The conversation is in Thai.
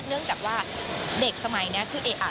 เนื่องจากว่าเด็กสมัยนี้คือเอ๊ะอ่ะ